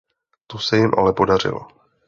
To se jim ale podařilo.